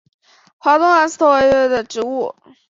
华东蓝刺头为菊科蓝刺头属的植物。